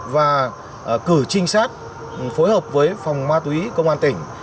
và cử trinh sát phối hợp với phòng ma túy công an tỉnh